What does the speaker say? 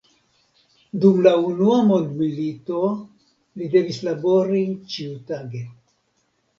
Dum la unua mondmilito li devis labori ĉiutage.